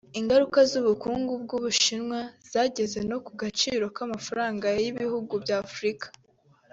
Ingaruka z’ubukungu bw’u Bushinwa zageze no ku gaciro k’amafaranga y’ibihugu bya Afurika